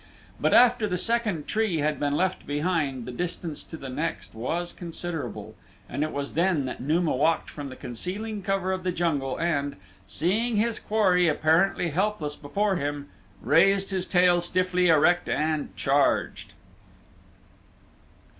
But after the second tree had been left behind the distance to the next was considerable, and it was then that Numa walked from the concealing cover of the jungle and, seeing his quarry apparently helpless before him, raised his tail stiffly erect and charged.